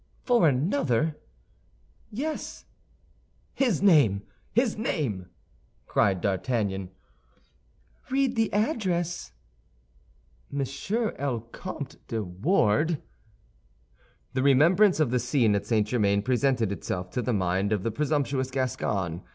"For another?" "Yes." "His name; his name!" cried D'Artagnan. "Read the address." "Monsieur El Comte de Wardes." The remembrance of the scene at St. Germain presented itself to the mind of the presumptuous Gascon.